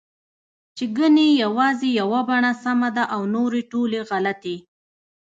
چې ګنې یوازې یوه بڼه سمه ده او نورې ټولې غلطې